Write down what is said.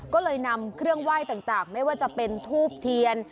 ก็เลยนำเครื่องไหว้ต่างไม่ว่าจะเป็นทูบเทียน